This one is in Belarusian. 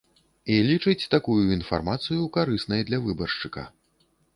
І лічыць такую інфармацыю карыснай для выбаршчыка.